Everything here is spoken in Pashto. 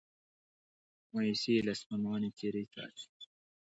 مایوسي یې له ستومانه څیرې څاڅي